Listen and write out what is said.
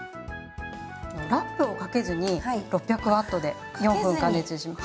ラップをかけずに６００Ｗで４分加熱します。